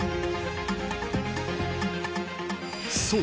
［そう］